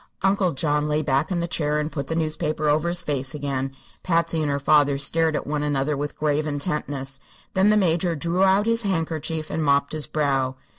Uncle John lay back in the chair and put the newspaper over his face again. Patsy and her father stared at one another with grave intentness. Then the Major drew out his handkerchief and mopped his brow.